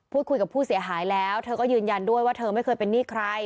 คุยกับผู้เสียหายแล้วเธอก็ยืนยันด้วยว่าเธอไม่เคยเป็นหนี้ใคร